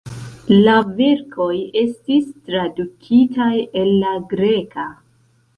La verkoj estis tradukitaj el la greka.